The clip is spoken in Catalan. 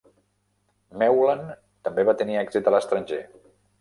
Meulen també va tenir èxit a l'estranger.